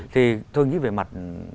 thì thôi nghĩ về mặt